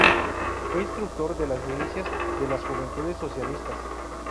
Fue instructor de las milicias de las Juventudes Socialistas.